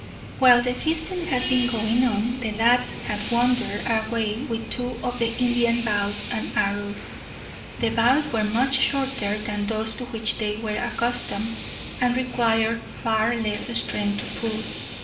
While the feasting had been going on, the lads had wandered away with two of the Indian bows and arrows. The bows were much shorter than those to which they were accustomed, and required far less strength to pull.